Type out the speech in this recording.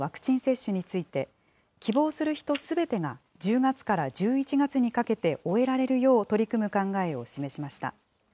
菅総理大臣は新型コロナウイルスのワクチン接種について、希望する人すべてが１０月から１１月にかけて終えられるよう取り組む考えを示しました。